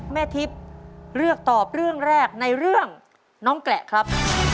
แม่ทิพย์เลือกตอบเรื่องแรกในเรื่องน้องแกละครับ